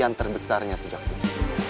yang terbesarnya sejak dulu